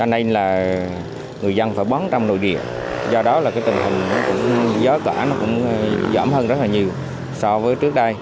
người dân phải bán trong nội địa do đó tình hình gió cả giỏm hơn rất nhiều so với trước đây